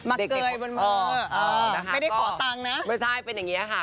เกยบนมือไม่ได้ขอตังค์นะไม่ใช่เป็นอย่างเงี้ยค่ะ